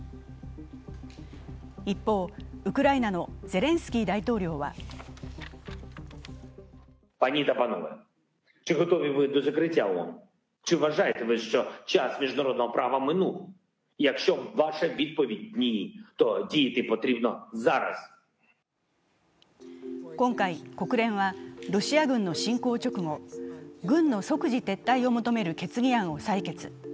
一方、ウクライナのゼレンスキー大統領は今回、国連はロシア軍の侵攻直後、軍の即時撤退を求める決議案を採決。